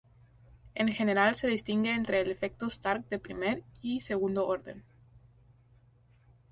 En general se distingue entre el efecto Stark de primer y segundo orden.